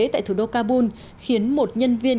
tại thủ đô kabul khiến một nhân viên